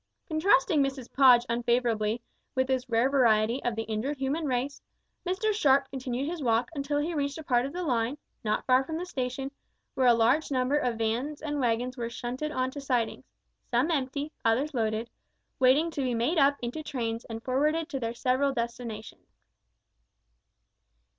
Contrasting Mrs Podge unfavourably with this rare variety of the injured human race, Mr Sharp continued his walk until he reached a part of the line, not far from the station, where a large number of vans and waggons were shunted on to sidings, some empty, others loaded, waiting to be made up into trains and forwarded to their several destinations.